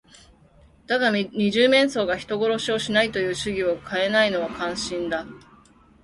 もともと四人ではなくて、ふたりきりのお芝居だったんだからね。だが、二十面相が人殺しをしないという主義をかえないのは感心だ。